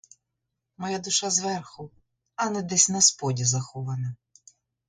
Моя душа зверху, а не десь насподі захована.